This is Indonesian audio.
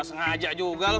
sengaja juga lo